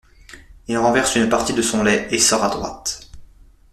Il renverse une partie de son lait et sort à droite.